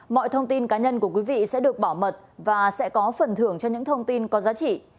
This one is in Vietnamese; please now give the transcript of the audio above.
mọi thông tin cá nhân của quý vị sẽ được bảo mật và sẽ có phần thưởng cho những thông tin có giá trị